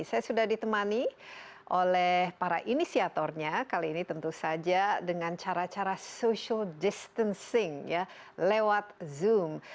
saya sudah ditemani oleh para inisiatornya kali ini tentu saja dengan cara cara social distancing lewat zoom